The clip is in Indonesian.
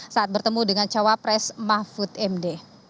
saat bertemu dengan cawapres mahfud md